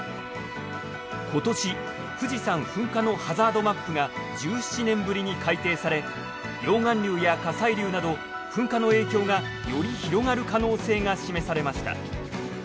今年富士山噴火のハザードマップが１７年ぶりに改定され溶岩流や火砕流など噴火の影響がより広がる可能性が示されました。